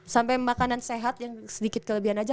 sampai makanan sehat yang sedikit kelebihan aja